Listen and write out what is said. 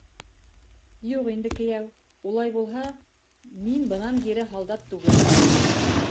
— Юҡ инде, кейәү, улай булһа, мин бынан кире һалдат түгел.